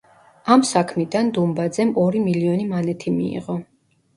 ამ საქმიდან დუმბაძემ ორი მილიონი მანეთი მიიღო.